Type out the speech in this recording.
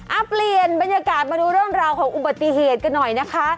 เอาเปลี่ยนบรรยากาศมาดูเรื่องราวของอุบัติเหตุกันหน่อยนะคะ